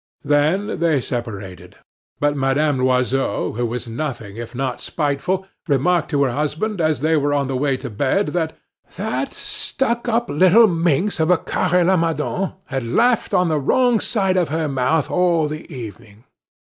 Then they separated. But Madame Loiseau, who was nothing if not spiteful, remarked to her husband as they were on the way to bed that "that stuck up little minx of a Carre Lamadon had laughed on the wrong side of her mouth all the evening."